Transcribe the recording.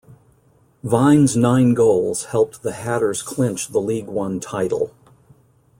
Vine's nine goals helped the Hatters clinch the League One title.